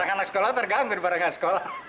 anak anak sekolah terganggu pada nggak sekolah